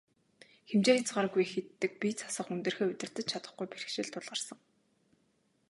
Хэмжээ хязгааргүй их иддэг, бие засах, хүндрэхээ удирдаж чадахгүй бэрхшээл тулгарсан.